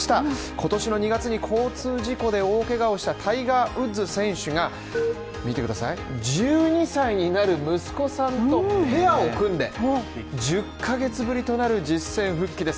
今年の２月に交通事故で大けがをしたタイガー・ウッズ選手が、見てください、１２歳になる息子さんとペアを組んで、１０ヶ月ぶりとなる実戦復帰です。